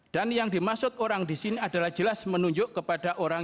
dan yang dimaksud orang di sini adalah jelas menunjuk kepada orang